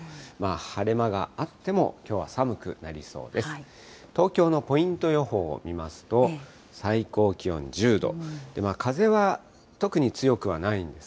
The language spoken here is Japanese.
晴れ間があっても、きょうは寒くなりそうです。